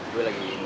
dua lagi ya bos